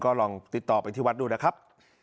ก็ลองติดต่อไปที่วัดดูนะครับ